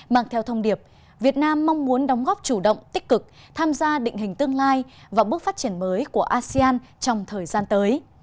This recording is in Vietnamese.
mang theo thông điệp việt nam mong muốn đóng góp chủ động tích cực tham gia định hình tương lai và bước phát triển mới của asean trong thời gian tới